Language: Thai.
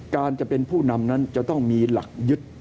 การจะเป็นผู้นำนั้นจะต้องมีหลักยึด